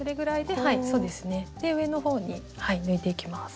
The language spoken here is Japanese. で上の方に抜いていきます。